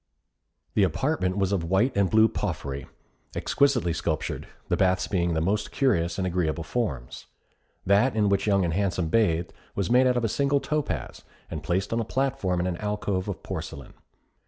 The apartment was of white and blue porphyry, exquisitely sculptured; the baths being of the most curious and agreeable forms. That in which Young and Handsome bathed, was made out of a single topaz, and placed on a platform in an alcove of porcelain.